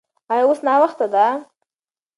ایا اوس ناوخته ده؟